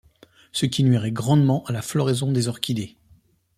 Ce qui nuirait grandement à la floraison des orchidées.